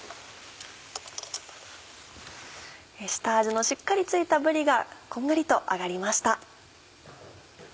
下味のしっかり付いたぶりがこんがりと揚がりました。